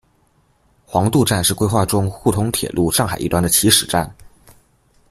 黄渡站是规划中沪通铁路上海一端的起始站。